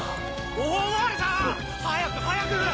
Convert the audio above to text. ・おまわりさん！早く早く！